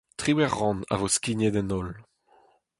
Triwec'h rann a vo skignet en holl.